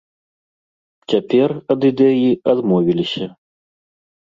Цяпер ад ідэі адмовіліся.